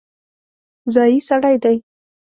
ځايي سړی دی.